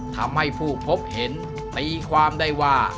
ทำให้ผู้พบเห็นตีความได้ว่า